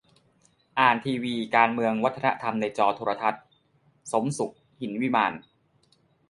อ่านทีวี : การเมืองวัฒนธรรมในจอโทรทัศน์ - สมสุข หินวิมาน